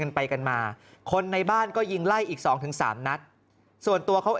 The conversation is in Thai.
กันไปกันมาคนในบ้านก็ยิงไล่อีกสองถึงสามนัดส่วนตัวเขา